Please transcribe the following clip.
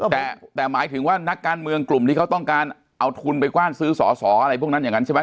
แต่หมายถึงว่านักการเมืองกลุ่มที่เขาต้องการเอาทุนไปกว้านซื้อสอสออะไรพวกนั้นอย่างนั้นใช่ไหม